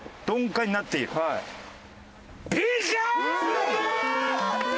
すげえ！